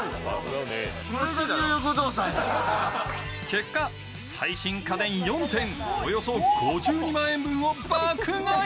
結果、最新家電４点、およそ５２万円分を爆買い！